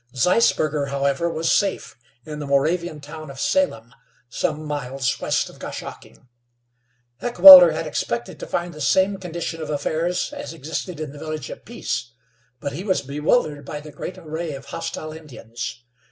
Zeisberger, however, was safe in the Moravian town of Salem, some miles west of Goshocking. Heckewelder had expected to find the same condition of affairs as existed in the Village of Peace; but he was bewildered by the great array of hostile Indians.